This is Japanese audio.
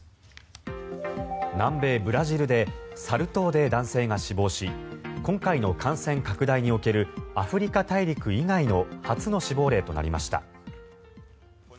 南米ブラジルでサル痘で男性が死亡し今回の感染拡大におけるアフリカ大陸以外の初の死亡例となりました。